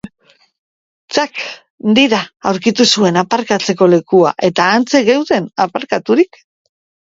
Ttak, di-da aurkitu zuen aparkatzeko lekua, eta hantxe geunden aparkaturik.